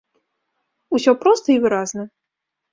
Усё проста і выразна.